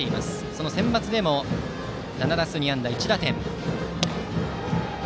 そのセンバツでも７打数２安打１打点。